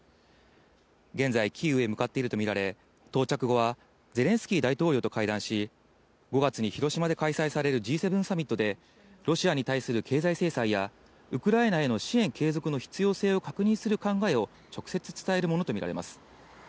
現在、キーウへ向かっているとみられ、到着後はゼレンスキー大統領と会談し、５月に広島で開催されるＧ７サミットでロシアに対する経済制裁やウクライナへの支援継続の必要性を確認する考えを直接伝えるものとみられます。